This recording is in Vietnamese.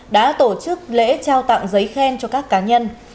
đã tổ chức lễ trao tặng giấy khen cho các cá nhân